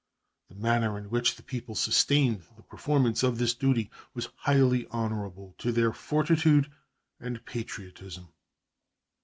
The manner in which the people sustained the performance of this duty was highly honorable to their fortitude and patriotism.